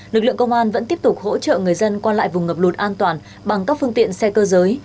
lực lượng công an vẫn tiếp tục hỗ trợ người dân qua lại vùng ngập lụt an toàn bằng các phương tiện xe cơ giới